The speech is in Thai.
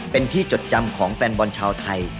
เป็นที่จดจำของแฟนบอลชาวไทย